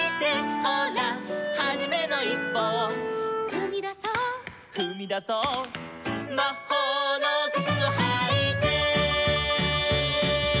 「ほらはじめのいっぽを」「ふみだそう」「ふみだそう」「まほうのくつをはいて」